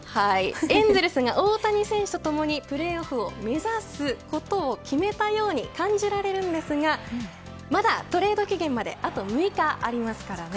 エンゼルスが大谷選手とともにプレーオフを目指すことを決めたように感じられるんですがまだトレード期限まであと６日ありますからね。